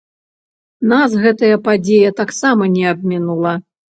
Нас гэтая падзея таксама не абмінула.